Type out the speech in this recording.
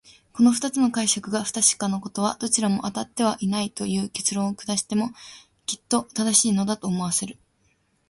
この二つの解釈が不確かなことは、どちらもあたってはいないという結論を下してもきっと正しいのだ、と思わせる。